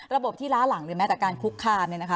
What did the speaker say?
ระบบที่ล้าหลังหรือแม้แต่การคุกคามเนี่ยนะคะ